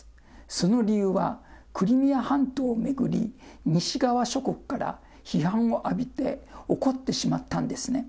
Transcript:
その理由はクリミア半島を巡り、西側諸国から批判を浴びて怒ってしまったんですね。